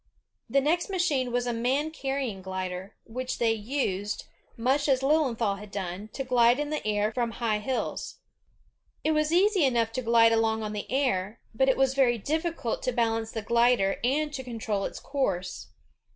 Their next machine was a man carrying glider, which they used, much as Lilienthal had done, to glide in the air from high hiUs. It was easy enough to glide along on the air, but it was very difficult to balance the glider and to control its course.